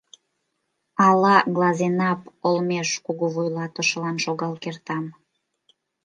Ала Глазенапп олмеш кугу вуйлатышылан шогал кертам.